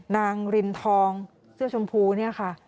รินทองเสื้อชมพูเนี่ยค่ะ